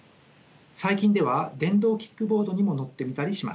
最近では電動キックボードにも乗ってみたりしました。